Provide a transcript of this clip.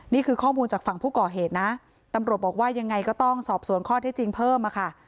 นี่คือข้อมูลจากฝั่งผู้ก่อเหตุนะตำรวจบอกว่ายังไงก็ต้องสอบสวนข้อที่จริงเพิ่มค่ะ